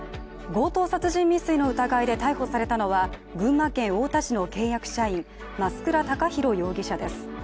強盗殺人未遂の疑いで逮捕されたのは群馬県太田市の契約社員増倉孝弘容疑者です。